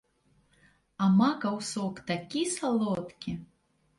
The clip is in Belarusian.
А макаў сок такі салодкі!